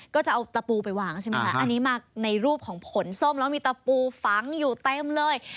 ก็จะเอาตะปูไปวางใช่ไหมคะอันนี้มาในรูปของผลส้มแล้วมีตะปูฝังอยู่เต็มเลย